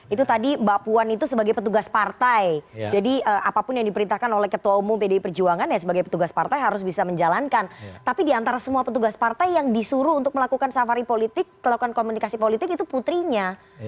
itu tadi mbak puan itu sebagai petugas partai jadi apapun yang diperintahkan oleh ketua umum pdi perjuangan ya sebagai petugas partai harus bisa menjalankan tapi diantara semua petugas partai yang disuruh untuk melakukan safari politik melakukan komunikasi politik itu putrinya